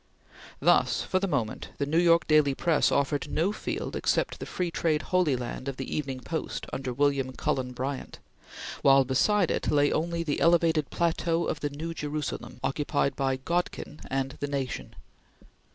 Thus, for the moment, the New York daily press offered no field except the free trade Holy Land of the Evening Post under William Cullen Bryant, while beside it lay only the elevated plateau of the New Jerusalem occupied by Godkin and the Nation.